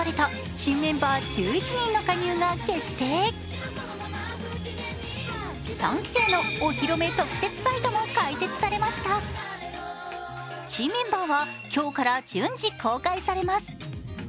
新メンバーは今日から順次、公開されます。